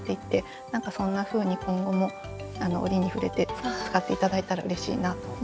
何かそんなふうに今後も折に触れて使って頂いたらうれしいなと思いました。